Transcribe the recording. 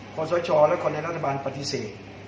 คนสวยชอบและคนในรัฐบาลปฏิเสธ